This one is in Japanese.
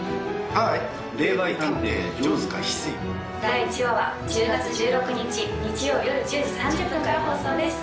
第１話は１０月１６日日曜夜１０時３０分から放送です。